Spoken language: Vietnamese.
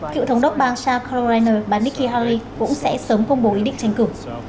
cựu thống đốc bang south carolina bà nikki haley cũng sẽ sớm công bố ý định tranh cử